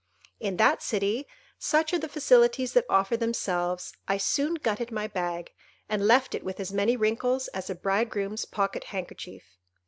"In that city, such are the facilities that offer themselves, I soon gutted my bag, and left it with as many wrinkles as a bridegroom's pocket handkerchief.